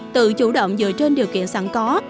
tự chủ động dựa trên điều kiện sẵn có